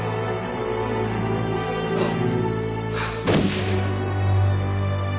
あっ。